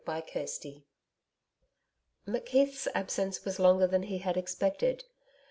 CHAPTER 11 McKeith's absence was longer than he had expected.